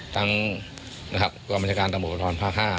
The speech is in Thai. ทั้งกรมจาการตำรวจประวัติภาค๕